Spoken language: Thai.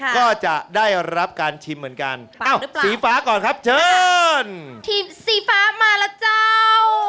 ก็จะได้รับการชิมเหมือนกันสีฟ้าก่อนครับเชิญทีมสีฟ้ามาแล้วเจ้า